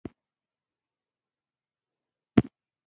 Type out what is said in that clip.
یوازې د قانون په رڼا کې ټولنه نظم لاس ته راوړي.